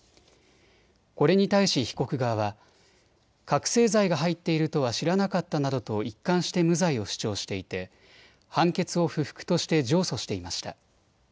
これに対し被告側は覚醒剤が入っているとは知らなかったなどと一貫して無罪を主張していて判決を不服として上訴していました。